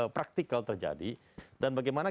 praktikal terjadi dan bagaimana